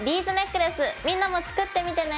みんなも作ってみてね。